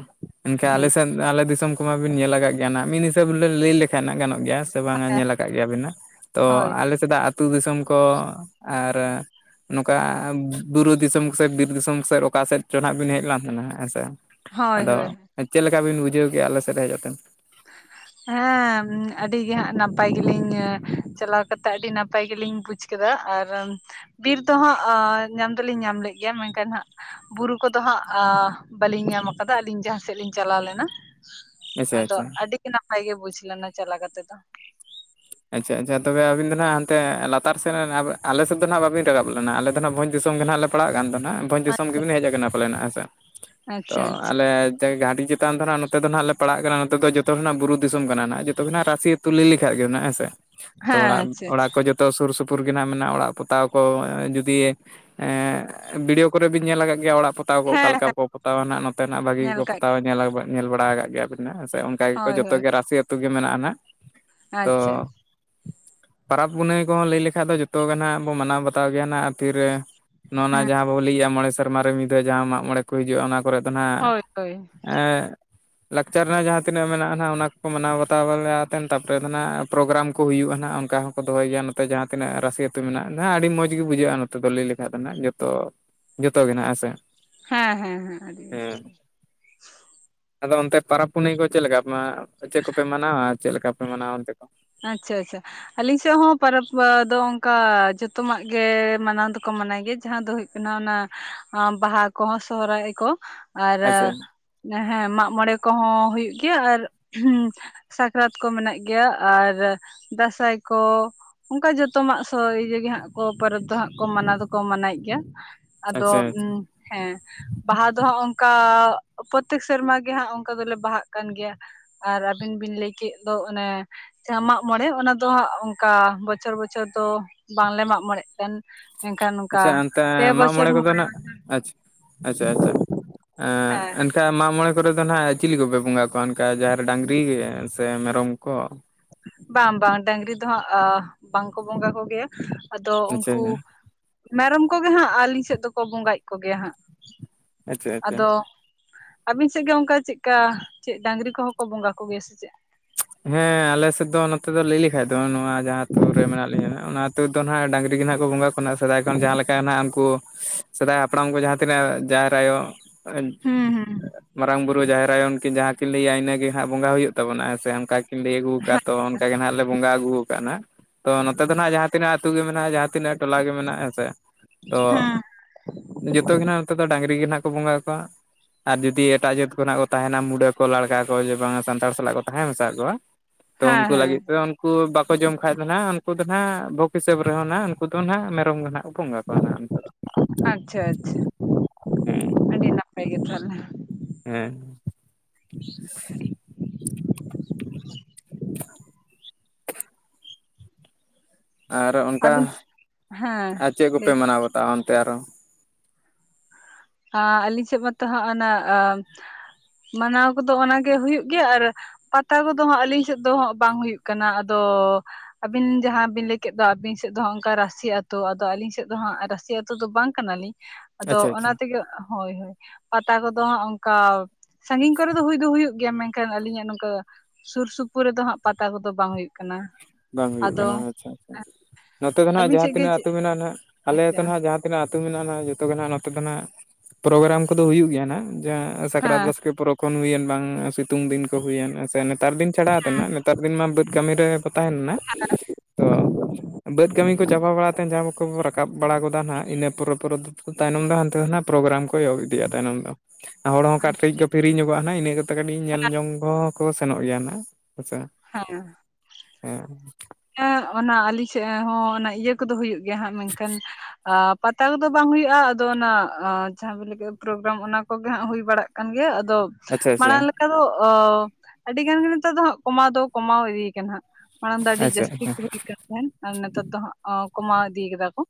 ᱮᱱᱠᱷᱟᱱ ᱟᱞᱮ ᱦᱮᱸ ᱥᱮᱫ ᱟᱞᱮ ᱫᱤᱥᱚᱢ, ᱠᱚ ᱢᱟᱵᱤᱱ ᱧᱮᱞ ᱟᱠᱟᱫ ᱜᱮᱭᱟ ᱱᱟᱦᱟᱜ, ᱢᱤᱫ ᱦᱤᱥᱟᱹᱵᱽ ᱞᱟᱹᱭ ᱞᱮᱠᱷᱟᱱ ᱦᱟᱸᱜ ᱜᱟᱱᱚᱜ ᱜᱮᱭᱟ ᱥᱮ᱾ ᱥᱮ ᱵᱟᱝᱟ ᱧᱮᱞ ᱟᱠᱟᱜ ᱜᱮᱭᱟᱵᱤᱱ ᱱᱟᱜ, ᱛᱚ ᱦᱳᱭ ᱟᱞᱮ ᱥᱮᱫᱟᱜ ᱟᱹᱛᱩ ᱫᱤᱥᱚᱢ ᱠᱚ ᱟᱨ ᱱᱚᱝᱠᱟ ᱵᱩᱨᱩ ᱫᱤᱥᱚᱢ ᱥᱮ ᱵᱤᱨ ᱫᱤᱥᱚᱢ ᱥᱮᱫ ᱚᱠᱟ ᱥᱮᱫ ᱪᱚ ᱱᱟᱜ ᱵᱤᱱ ᱦᱮᱡ ᱞᱟᱱ ᱛᱟᱦᱮᱱᱟ ᱦᱳᱭ ᱟᱫᱚ ᱦᱳᱭ ᱪᱮᱫ ᱞᱮᱠᱟ ᱵᱤᱱ ᱵᱩᱡᱷᱟᱹᱣ ᱠᱮᱜ-ᱟ ᱟᱞᱮ ᱥᱮᱫ ᱦᱮᱡ ᱠᱟᱛᱮᱱ? [inaudible] ᱦᱮᱸ ᱟᱹᱰᱤ ᱜᱮ ᱦᱟᱸᱜ ᱱᱟᱯᱟᱭ ᱜᱮᱞᱤᱧ ᱪᱟᱞᱟᱣ ᱠᱟᱛᱮᱜ ᱟᱹᱰᱤ ᱱᱟᱯᱟᱭ ᱜᱮᱞᱤᱧ ᱵᱩᱡᱷ ᱠᱮᱫᱟ ᱟᱨ ᱵᱤᱨ ᱫᱚ ᱦᱟᱸᱜ ᱧᱟᱢ ᱫᱚᱞᱤᱧ ᱧᱟᱢ ᱞᱮᱜ ᱜᱮᱭᱟ ᱢᱮᱱᱠᱷᱟᱱ ᱦᱟᱸᱜ ᱵᱩᱨᱩ ᱠᱚᱫᱚ ᱦᱟᱸᱜ ᱵᱟᱹᱞᱤᱧ ᱧᱟᱢ ᱠᱟᱫᱟ ᱟᱹᱞᱤᱧ ᱡᱟᱦᱟᱸ ᱥᱮᱫ ᱞᱤᱧ ᱪᱟᱞᱟᱣ ᱞᱮᱱᱟ᱾ ᱟᱪᱪᱷᱟ ᱟᱫᱚ ᱟᱪᱪᱷᱟ ᱟᱹᱰᱤ ᱜᱮ ᱱᱟᱯᱟᱭ ᱜᱮ ᱵᱩᱡᱽ ᱞᱮᱱᱟ ᱪᱟᱞᱟ ᱠᱟᱛᱮ ᱫᱚ᱾ ᱟᱪᱪᱷᱟ ᱟᱪᱪᱷᱟ ᱛᱚᱵᱮ ᱟᱵᱤᱱ ᱫᱚ ᱱᱟᱦᱟᱜ ᱦᱟᱱᱛᱮ ᱞᱟᱛᱟᱨ ᱥᱮᱫ ᱨᱮᱱ ᱟᱞᱮ ᱥᱮᱫ ᱫᱚ ᱱᱟᱦᱟᱜ ᱵᱟᱵᱤᱱ ᱨᱟᱠᱟᱵ ᱞᱮᱱᱟ᱾ ᱟᱞᱮ ᱫᱚ ‌ᱱᱟᱦᱟᱜ ᱵᱷᱚᱡᱽ ᱫᱤᱥᱚᱢ ᱜᱮ ᱱᱟᱦᱟᱜ ᱞᱮ ᱯᱟᱲᱟᱜ ᱠᱟᱱ ᱫᱚ ᱱᱟᱦᱟᱜ ᱵᱷᱚᱡᱽ ᱫᱤᱥᱚᱢ ᱜᱮᱵᱤᱱ ᱦᱮᱡ ᱟᱠᱟᱱᱟ ᱯᱟᱞᱮᱱ ᱦᱮᱸᱥᱮ ᱛᱚ ᱟᱪᱪᱷᱟ ᱟᱪᱪᱷᱟ ᱟᱪᱪᱷᱟ ᱟᱞᱮ ᱥᱮ ᱜᱷᱟᱹᱴᱤ ᱪᱮᱛᱟᱱ ᱫᱚ ᱱᱟᱦᱟᱜ ᱱᱚᱛᱮ ᱫᱚ ᱱᱟᱦᱟᱜ ᱞᱮ ᱯᱟᱲᱟᱜ ᱠᱟᱱᱟ ᱱᱚᱛᱮ ᱫᱚ ᱡᱚᱛᱚ ᱱᱟᱜ ᱵᱩᱨᱩ ᱫᱤᱥᱚᱢ ᱠᱟᱱᱟ ᱱᱟᱜ ᱡᱚᱛᱚ ᱠᱷᱱᱟᱜ ᱨᱟᱹᱥᱤ ᱟᱹᱛᱩ ᱞᱟᱹᱭ ᱞᱮᱠᱷᱟᱜ ᱜᱮ [unintelligible] ᱛᱚ ᱦᱮᱸ ᱚᱲᱟᱜ ᱟᱪᱪᱷᱟ ᱟᱪᱪᱷᱟ ᱚᱲᱟᱜ ᱠᱚ ᱡᱚᱛᱚ ᱥᱩᱨ ᱥᱩᱯᱩᱨ ᱜᱮ ᱱᱟᱜ ᱢᱮᱱᱟᱜ-ᱟ, ᱚᱲᱟᱜ ᱯᱚᱛᱟᱣ ᱠᱚ ᱡᱩᱫᱤ ᱮ ᱵᱷᱤᱰᱭᱳ ᱠᱚᱨᱮ ᱵᱤᱱ ᱧᱮᱞ ᱟᱠᱟᱜ ᱜᱮᱭᱟ ᱚᱲᱟᱜ ᱯᱚ- ᱯᱚᱛᱟᱣ ᱠᱚ ᱚᱠᱟ ᱦᱮᱸ ᱞᱮᱠᱟ ᱦᱮᱸ ᱵᱚ ᱯᱚᱛᱟᱣᱟ ᱱᱟᱦᱟᱜ ᱱᱚᱛᱮ ᱱᱟᱜ ᱵᱷᱟᱹᱜᱤ ᱧᱮᱞ ᱜᱮᱠᱚ ᱠᱟᱜ ᱯᱚᱛᱟᱣᱟ ᱧᱮᱞ ᱧᱮᱞ ᱵᱟᱲᱟ ᱟᱠᱟᱜ ᱜᱮᱭᱟ ᱵᱤᱱ ᱦᱮᱸ ᱥᱮ [unintelligible] ᱦᱳᱭ ᱡᱚᱛᱚ ᱦᱳᱭ ᱜᱮ ᱨᱟᱹᱥᱤ ᱟᱹᱛᱩ ᱜᱮ ᱢᱮᱱᱟᱜ-ᱟ ᱱᱟᱜ᱾ ᱟᱪᱪᱷᱟ, ᱯᱚᱨᱟᱵᱽ ᱯᱩᱱᱟᱹᱭ ᱠᱚᱦᱚᱸ ᱞᱟᱹᱭ ᱞᱮᱠᱷᱟᱡ ᱫᱚ ᱡᱚᱛᱚ ᱜᱮ ᱱᱟᱦᱟᱜ ᱵᱚᱱ ᱢᱟᱱᱟᱣ ᱵᱟᱛᱟᱣ ᱜᱮᱭᱟ ᱱᱟᱦᱟᱜ ᱛᱤᱨᱮ ᱱᱚᱜ-ᱱᱟ ᱦᱮᱸ ᱡᱟᱦᱟᱸ ᱵᱟᱵᱚᱱ ᱞᱟᱹᱭ ᱜᱮᱭᱟ ᱢᱚᱬᱮ ᱥᱮᱨᱢᱟ ᱨᱮ ᱢᱤᱫᱷᱟᱣ ᱡᱟᱦᱟᱸ ᱢᱟᱜ ᱢᱚᱬᱮ ᱠᱚ ᱦᱤᱡᱩᱜ-ᱟ, ᱚᱱᱟ ᱠᱚᱨᱮ ᱫᱚ ᱱᱟᱦᱟᱜ ᱦᱳᱭ ᱦᱳᱭ ᱮ ᱞᱟᱠᱪᱟᱨ ᱨᱮᱱᱟᱜ ᱡᱟᱦᱟᱸ ᱛᱤᱱᱟᱹᱜ ᱢᱮᱱᱟᱜ-ᱟ ᱱᱟᱦᱟᱜ ᱚᱱᱟ ᱠᱚᱠᱚ ᱢᱟᱱᱟᱣ ᱵᱟᱛᱟᱣ ᱵᱚᱞᱮ ᱟᱛᱮᱱ ᱛᱟᱯᱮ ᱫᱚ ᱱᱟᱦᱟᱜ ᱯᱨᱳᱜᱨᱟᱢ ᱠᱚ ᱦᱩᱭᱩᱜ-ᱟ ᱱᱟᱦᱟᱜ ᱚᱱᱠᱟ ᱦᱚᱸ ᱠᱚ ᱫᱚᱦᱚᱭ ᱜᱮᱭᱟ ᱱᱚᱛᱮ ᱡᱟᱦᱟᱸ ᱛᱤᱱᱟᱹᱜ ᱨᱟᱹᱥᱤ ᱟᱹᱛᱩ ᱢᱮᱱᱟᱜ-ᱟ ᱟᱹᱰᱤ ᱢᱚᱡᱽ ᱜᱮ ᱵᱩᱡᱷᱟᱹᱜ-ᱟ ᱱᱚᱛᱮ ᱫᱚ ᱞᱟᱹᱭ ᱞᱮᱠᱷᱟᱱ ᱫᱚ ᱦᱟᱸᱜ ᱡᱚ- ᱛᱚ ᱡᱚᱛᱚ ᱜᱮ ᱦᱮᱱᱟᱜ-ᱟ ᱦᱮᱸ ᱥᱮ᱾ ᱦᱮᱸ ᱦᱮᱸ ᱦᱮᱸ ᱟᱫᱚ ᱚᱱᱛᱮ ᱯᱟᱨᱟᱵᱽ ᱯᱩᱱᱮ ᱠᱚ ᱪᱮᱫ ᱞᱮᱠᱟ ᱯᱮ ᱪᱮᱜ ᱠᱚ ᱯᱮ ᱢᱟᱱᱟᱣᱟ ᱪᱮᱫ ᱞᱮᱠᱟ ᱯᱮ ᱢᱟᱱᱟᱣᱟ? ᱟᱪᱪᱷᱟ ᱟᱪᱪᱷᱟ, ᱟᱞᱤᱧ ᱥᱮᱜ ᱦᱚᱸ ᱯᱚᱨᱚᱵᱽ ᱫᱚ ᱚᱱᱠᱟ ᱡᱚᱛᱚᱢᱟᱜ ᱜᱮ ᱢᱟᱱᱟᱣ ᱫᱚᱠᱚ ᱢᱟᱱᱟᱣ ᱜᱮᱭᱟ ᱡᱟᱦᱟᱸ ᱫᱚ ᱦᱩᱭᱩᱜ ᱚᱱᱟ ᱚᱱᱟ ᱵᱟᱦᱟ ᱠᱚᱦᱚᱸ ᱥᱚᱦᱨᱟᱭ ᱠᱚ ᱟᱨ ᱟᱪᱪᱷᱟ ᱦᱮᱸ ᱢᱟᱜ ᱢᱚᱬᱮ ᱠᱚᱦᱚᱸ ᱦᱩᱭᱩᱜ ᱜᱮᱭᱟ ᱟᱨ ᱥᱟᱠᱨᱟᱛ ᱠᱚ ᱢᱮᱱᱟᱜ ᱜᱮᱭᱟ᱾ ᱟᱨ ᱫᱟᱸᱥᱟᱭ ᱠᱚ, ᱚᱱᱠᱟ ᱡᱚᱛᱚᱢᱟᱜ ᱤᱭᱟᱹ ᱜᱮ ᱦᱟᱸᱜ ᱠᱚ ᱯᱚᱨᱚᱵᱽ ᱫᱚ ᱦᱟᱸᱜ ᱠᱚ ᱢᱟᱱᱟᱣ ᱫᱚᱠᱚ ᱢᱟᱱᱟᱭᱮᱜ ᱜᱮᱭᱟ᱾ ᱟᱫᱚ ᱟᱪᱪᱷᱟ ᱦᱮᱸ ᱵᱟᱦᱟ ᱫᱚ ᱦᱟᱸᱜ ᱚᱝᱠᱟ ᱯᱨᱚᱛᱮᱠ ᱥᱮᱨᱢᱟ ᱜᱮ ᱦᱟᱸᱜ ᱚᱝᱠᱟ ᱫᱚᱞᱮ ᱵᱟᱦᱟᱜ ᱠᱟᱱ ᱜᱮᱭᱟ᱾ ᱟᱨ ᱟᱹᱵᱤᱱ ᱵᱤᱱ ᱞᱟᱹᱭ ᱠᱮᱜ ᱫᱚ ᱚᱱᱮ ᱡᱟᱦᱟᱸ ᱢᱟᱜ ᱢᱚᱬᱮ ᱚᱱᱟ ᱫᱚ ᱦᱟᱸᱜ ᱚᱝᱠᱟ ᱵᱚᱪᱷᱚᱨ ᱵᱚᱪᱷᱚᱨ ᱫᱚ ᱵᱟᱝᱞᱮ ᱢᱟᱜ ᱢᱚᱬᱮᱜ ᱠᱟᱱ᱾ ᱢᱮᱱᱠᱷᱟᱱ ᱱᱚᱝᱠᱟ ᱟᱪᱪᱷᱟ ᱚᱱᱛᱮ ᱯᱮ ᱵᱚᱪᱷᱚᱨ ᱢᱟᱜ-ᱢᱚᱬᱮ ᱠᱚᱫᱚ ᱢᱚᱬᱮ ᱱᱟᱜ ᱟᱪ-ᱟᱪᱪᱷᱟ ᱟᱪᱪᱷᱟ᱾ ᱦᱮᱸ [unintelligible] ᱮᱱᱠᱷᱟᱱ ᱢᱟᱜᱽ ᱢᱚᱬᱮ ᱠᱚᱨᱮ ᱫᱚ ᱱᱟᱦᱟᱜ ᱪᱤᱞᱤ ᱠᱚᱯᱮ ᱵᱚᱸᱜᱟ ᱠᱚᱣᱟ ᱚᱱᱠᱟ ᱡᱟᱦᱮᱨ ᱰᱟᱝᱨᱤ ᱥᱮ ᱢᱮᱨᱚᱢ ᱠᱚ ᱾ ᱵᱟᱝ ᱵᱟᱝ ᱰᱟᱝᱨᱤ ᱫᱚ ᱦᱟᱸᱜ ᱵᱟᱝᱠᱚ ᱵᱚᱸᱜᱟ ᱠᱚᱜᱮᱭᱟ ᱾ ᱟᱫᱚ ᱟᱪᱪᱷᱟ ᱩᱱᱠᱩ ᱢᱮᱨᱚᱢ ᱠᱚᱜᱮ ᱦᱟᱸᱜ ᱟᱹᱞᱤᱧ ᱥᱮᱜ ᱫᱚᱠᱚ ᱵᱚᱸᱜᱟᱭᱮᱜ ᱠᱚᱜᱮᱭᱟ ᱦᱟᱸᱜ ᱟᱪᱪᱷᱟ ᱾ [inaudible] ᱟᱪᱪᱷᱟ ᱟᱫᱚ [inaudible] ᱟᱹᱵᱤᱱ ᱥᱮᱜ ᱜᱮ ᱚᱝᱠᱟ ᱪᱮᱜᱠᱟ ᱪᱮᱜ ᱰᱟᱝᱨᱤ ᱠᱚᱦᱚᱸ ᱠᱚ ᱵᱚᱸᱜᱟ ᱠᱚᱜᱮᱭᱟ ᱥᱮ ᱪᱮᱜ? ᱦᱮ ᱟᱞᱮᱥᱮᱫ ᱫᱚ ᱱᱚᱛᱮ ᱫᱚ ᱞᱟᱹᱭ ᱞᱮᱠᱷᱟᱡ ᱫᱚ ᱱᱚᱣᱟ ᱡᱟᱦᱟᱸ ᱟᱛᱩ ᱨᱮ ᱢᱮᱱᱟᱜ ᱞᱤᱧᱟ ᱚᱱᱟ ᱟᱹᱛᱩ ᱨᱮ ᱫᱚ ᱱᱟᱦᱟᱜ ᱰᱟᱝᱨᱤ ᱜᱮ ᱱᱟᱦᱟᱜ ᱠᱚ ᱵᱚᱸᱜᱟ ᱠᱷᱚᱱᱟᱜ ᱥᱮᱫᱟᱭ ᱠᱷᱚᱱ ᱡᱟᱦᱟ ᱞᱮᱠᱟ ᱱᱟᱦᱟᱜ ᱩᱱᱠᱩ ᱥᱮᱫᱟᱭ ᱦᱟᱯᱲᱟᱢ ᱠᱚ ᱡᱟᱦᱟ ᱛᱤᱱᱟᱹᱜ ᱡᱟᱦᱮᱨ ᱟᱭᱳ ᱦᱩᱸ ᱦᱩᱸ [inaudible] ᱢᱟᱨᱟᱝ ᱵᱩᱨᱩ ᱡᱟᱦᱮᱨ ᱟᱭᱳ ᱩᱱᱠᱤᱱ ᱡᱟᱦᱟᱸ ᱠᱤᱱ ᱞᱟᱹᱭᱟ ᱤᱱᱟᱹᱜᱮ ᱦᱟᱸᱜ ᱵᱚᱸᱜᱟ ᱦᱩᱭᱩᱜ ᱛᱟᱵᱚᱱᱟ ᱦᱮᱸ ᱥᱮ ᱾ ᱠᱤᱱ ᱞᱟᱹᱭ ᱟᱹᱜᱩ ᱠᱟᱜ-ᱟ ᱛᱚ ᱚᱱᱠᱟ ᱜᱮ ᱱᱟᱦᱟᱜ ᱞᱮ ᱵᱚᱸᱜᱟ ᱟᱹᱜᱩ ᱟᱠᱟᱜ-ᱟ ᱱᱟᱜ ᱾ ᱛᱚ ᱱᱚᱛᱮ ᱫᱚ ᱱᱟᱦᱱᱟᱜ ᱡᱟᱦᱟᱸ ᱛᱤᱱᱟᱹᱜ ᱟᱹᱛᱩ ᱜᱮ ᱢᱮᱱᱟᱜ-ᱟ ᱡᱟᱦᱟᱸ ᱛᱤᱱᱟᱹᱜ ᱴᱚᱞᱟ ᱜᱮ ᱢᱮᱱᱟᱜ-ᱟ ᱦᱮᱸ ᱥᱮ ᱛᱚ ᱦᱮᱸ ᱡᱚᱛᱚ ᱜᱮ ᱱᱟᱦᱟᱜ ᱱᱚᱛᱮ ᱫᱚ ᱰᱟᱝᱨᱤ ᱜᱮ ᱱᱟᱦᱟᱜ ᱠᱚ ᱵᱚᱸᱜᱟ ᱟᱠᱚᱣᱟ ᱾ ᱟᱨ ᱡᱩᱫᱤ ᱮᱴᱟᱜ ᱡᱟᱹᱛ ᱠᱷᱚᱱᱟᱜ ᱠᱚ ᱛᱟᱦᱮᱱᱟ ᱢᱩᱰᱟᱹ ᱠᱚ ᱞᱟᱲᱠᱟ ᱠᱚ ᱡᱮ ᱵᱟᱝ ᱥᱟᱱᱛᱟᱲ ᱥᱟᱞᱟᱜ ᱠᱚ ᱛᱟᱦᱮ ᱢᱮᱥᱟ ᱠᱚᱣᱟ ᱛᱚ ᱦᱮᱸ ᱩᱱᱠᱩ ᱦᱮᱸ ᱞᱟᱹᱜᱤᱫ ᱛᱮ ᱫᱚ ᱩᱱᱠᱩ ᱵᱟᱠᱚ ᱡᱚᱢ ᱠᱷᱟᱡ ᱫᱚ ᱱᱟᱦᱟᱜ ᱩᱱᱠᱩ ᱫᱚ ᱠᱩ ᱠᱩ ᱵᱟᱠᱚ ᱡᱚᱢ ᱠᱷᱟᱡ ᱫᱚ ᱦᱟᱸᱜ ᱩᱱᱠᱩ ᱫᱚ ᱦᱟᱸᱜ ᱵᱷᱳᱠ ᱦᱤᱥᱟᱹᱵᱽ ᱨᱮᱦᱚᱸ ᱱᱟᱜ ᱩᱱᱠᱩ ᱫᱚ ᱱᱟᱦᱟᱜ ᱢᱮᱨᱚᱢ ᱫᱚ ᱱᱟᱦᱟᱜ ᱠᱚ ᱵᱚᱸᱜᱟ ᱠᱚᱣᱟ ᱱᱟᱦᱟᱜ ᱩᱱᱠᱩ ᱫᱚ ᱾ ᱟᱪᱪᱷᱟ ᱟᱪᱪᱷᱟ ᱦᱮᱸ ᱟᱹᱰᱤ ᱱᱟᱯᱟᱭ ᱜᱮ ᱛᱟᱦᱚᱞᱮ ᱾ ᱦᱮᱸ ᱾ ᱟᱨ ᱚᱱᱠᱟ ᱟᱹᱵᱤᱱ [inaudible] ᱦᱮᱸ ᱟᱨ ᱪᱮᱫ ᱠᱚᱯᱮ ᱞᱟᱹᱭ ᱵᱤᱱ? ᱢᱟᱱᱟᱣ ᱵᱟᱛᱟᱣᱟ ᱚᱱᱛᱮ ᱟᱨᱚ ᱾ ᱟᱨ ᱟᱹᱞᱤᱧ ᱥᱮᱫ ᱢᱟᱛᱚ ᱦᱟᱸᱜ ᱚᱱᱟ ᱟ [inaudible] ᱢᱟᱱᱟᱣ ᱠᱚᱫᱚ ᱚᱱᱟᱜᱮ ᱦᱩᱭᱩᱜ ᱜᱮᱭᱟ ᱟᱨ ᱯᱟᱛᱟ ᱠᱚᱫᱚ ᱦᱟᱸᱜ ᱟᱹᱞᱤᱧ ᱥᱮᱫ ᱫᱚ ᱦᱟᱸᱜ ᱵᱟᱝ ᱦᱩᱭᱩᱜ ᱠᱟᱱᱟ ᱾ ᱟᱫᱚᱻ ᱟᱵᱤᱱ ᱡᱟᱦᱟᱸ ᱵᱤᱱ ᱞᱟᱹᱭᱠᱮᱫ ᱫᱚ ᱟᱵᱤᱱ ᱥᱮᱫ ᱫᱚ ᱦᱟᱸᱜ ᱚᱱᱠᱟ ᱨᱟᱹᱥᱤ ᱟᱹᱛᱩ ᱟᱫᱚ ᱟᱞᱤᱧ ᱥᱮᱫ ᱫᱚ ᱦᱟᱸᱜ ᱨᱟᱥᱤ ᱟᱹ ᱛᱩ ᱫᱚ ᱵᱟᱝ ᱠᱟᱱᱟᱞᱤᱧ ᱾ ᱟᱫᱚ ᱟᱪᱪᱷᱟ ᱚᱱᱟ ᱟᱪᱪᱷᱟ ᱛᱮᱜᱮ ᱦᱳᱭ ᱦᱳᱭ ᱯᱟᱛᱟ ᱠᱚᱫᱚ ᱦᱟᱸᱜ ᱚᱱᱠᱟ ᱥᱟᱸᱜᱤᱧ ᱠᱚᱨᱮ ᱫᱚ ᱦᱩᱭ ᱫᱚ ᱦᱩᱭᱩᱜ ᱜᱮᱭᱟ ᱢᱮᱱᱠᱷᱟᱱ ᱟᱹᱞᱤᱧᱟᱜ ᱱᱚᱝᱠᱟ ᱥᱩᱨ ᱥᱩᱯᱩᱨ ᱨᱮᱫᱚ ᱦᱟᱸᱜ ᱯᱟᱛᱟ ᱠᱚᱫᱚ ᱵᱟᱝ ᱦᱩᱭᱩᱜ ᱠᱟᱱᱟ ᱾ ᱵᱟᱝ ᱦᱩᱭᱩᱜ ᱠᱟᱱᱟ ᱟᱪᱪᱷᱟ ᱟᱪᱪᱷᱟ ᱾ ᱱᱚᱛᱮ ᱫᱚ ᱱᱟᱦᱟᱜ ᱟᱹᱵᱤᱱ ᱡᱟᱦᱟᱸ ᱥᱮᱫ ᱜᱮ ᱛᱤᱱᱟᱹᱜ ᱪᱮᱫ ᱟᱹᱛᱩ ᱢᱮᱱᱟᱜ-ᱟ ᱦᱟᱸᱜ ᱟᱞᱮ ᱟᱪᱪᱷᱟ ᱴᱷᱮᱱ ᱦᱚᱸ ᱡᱟᱦᱟᱸ ᱛᱤᱱᱟᱹᱜ ᱟᱹᱛᱩ ᱢᱮᱱᱟᱜ-ᱟ ᱦᱟᱸᱜ ᱡᱚᱛᱚ ᱜᱮ ᱦᱟᱸᱜ ᱱᱚᱛᱮ ᱫᱚ ᱱᱟᱜ ᱯᱨᱳᱜᱨᱟᱢ ᱠᱚᱫᱚ ᱦᱩᱭᱩᱜ ᱜᱮᱭᱟ ᱦᱟᱸᱜ ᱾ ᱡᱟᱦᱟ ᱥᱟᱠᱨᱟᱛ ᱦᱮᱸ ᱵᱟᱥᱠᱮ ᱯᱚᱨᱚᱵᱽ ᱾ ᱠᱷᱚᱱ ᱦᱩᱭᱮᱱ ᱵᱟᱝ ᱥᱤᱛᱩᱝ ᱫᱤᱱ ᱠᱚ ᱦᱩᱭᱮᱱ ᱥᱮ ᱱᱮᱛᱟᱨ ᱫᱤᱱ ᱪᱷᱟᱲᱟ ᱛᱮᱱᱟᱜ ᱱᱮᱛᱟᱨ ᱫᱤᱱ ᱢᱟ ᱵᱟᱹᱫᱽ ᱠᱟᱹᱢᱤ ᱨᱮ ᱛᱟᱦᱮᱱ ᱢᱮ ᱛᱚ ᱵᱟᱹᱫᱽ ᱠᱟᱹᱢᱤ ᱠᱚ ᱪᱟᱵᱟ ᱵᱟᱲᱟ ᱛᱮ ᱡᱟᱦᱟᱸ ᱠᱚ ᱠᱟᱹᱢᱤ ᱵᱚᱱ ᱨᱟᱠᱟᱵ ᱵᱟᱲᱟ ᱜᱚᱫᱟ ᱱᱟᱜ ᱤᱱᱟᱹ ᱯᱚᱨᱮ ᱯᱚᱨᱮ ᱛᱮᱫᱚ ᱛᱟᱭᱱᱚᱢ ᱫᱚ ᱦᱟᱱᱛᱮ ᱠᱷᱚᱱᱟᱜ ᱯᱨᱳᱜᱨᱟᱢ ᱠᱚ ᱮᱦᱚᱜ ᱤᱫᱤᱜ-ᱟ ᱛᱟᱭᱱᱚᱢ ᱫᱚ ᱟᱨ ᱦᱚᱲ ᱦᱚᱸ ᱚᱱᱠᱟ ᱯᱷᱤᱨᱤᱧᱚᱜ-ᱟ ᱦᱟᱸᱜ ᱤᱱᱟᱹ ᱠᱟᱹᱴᱤᱡ ᱧᱮᱞ ᱡᱚᱝ ᱠᱚᱦᱚᱸ ᱠᱚ ᱥᱮᱱᱚᱜ ᱜᱮᱭᱟ ᱱᱟᱜ ᱦᱮᱸᱥᱮ ᱾ ᱦᱮᱞᱳ ᱾ ᱦᱮᱸ ᱾ ᱦᱮᱸ ᱚᱱᱟ ᱟᱹᱞᱤᱧ ᱥᱮᱫ ᱦᱚᱸ ᱚᱱᱟ ᱤᱭᱟᱹ ᱠᱚᱫᱚ ᱦᱩᱭᱩᱜ ᱜᱮᱭᱟ ᱦᱟᱸᱜ ᱢᱮᱱᱠᱷᱟᱱ ᱯᱟᱛᱟ ᱠᱚᱫᱚ ᱵᱟᱝ ᱦᱩᱭᱩᱜ-ᱟ ᱾ ᱟᱫᱚ ᱚᱱᱟ ᱡᱟᱦᱟᱸ ᱵᱤᱱ ᱞᱟᱹᱭ ᱠᱮᱫᱟ ᱯᱨᱳᱜᱨᱟᱢ ᱚᱱᱟ ᱠᱚᱜᱮ ᱦᱟᱸᱜ ᱦᱩᱭ ᱵᱟᱲᱟᱜ ᱠᱟᱱ ᱜᱮᱭᱟ ᱾ ᱟᱫᱚ ᱟᱪᱪᱷᱟ ᱟᱪᱪᱷᱟ ᱢᱟᱲᱟᱝ ᱞᱮᱠᱟ ᱫᱚ ᱚ ᱟᱹᱰᱤᱜᱟᱱ ᱜᱮ ᱱᱮᱛᱟᱨ ᱫᱚ ᱦᱟᱸᱜ ᱠᱚᱢᱟᱣ ᱫᱚ ᱠᱚᱢᱟᱣ ᱤᱫᱤᱭ ᱠᱟᱱᱟ ᱦᱟᱸᱜ ᱾ ᱢᱟᱲᱟᱝ ᱫᱚ ᱟᱹᱰᱤ ᱟᱪᱪᱷᱟ ᱦᱮᱸ ᱡᱟᱹᱥᱛᱤ ᱠᱚ ᱦᱩᱭ ᱠᱟᱱ ᱛᱟᱦᱮᱸᱱ ᱟᱨ ᱱᱤᱛᱟᱨ ᱫᱚ ᱦᱟᱸᱜ ᱠᱚᱢᱟᱣ ᱤᱫᱤᱣ ᱠᱟᱫᱟ ᱠᱚ ᱾